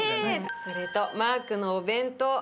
それとマークのお弁当。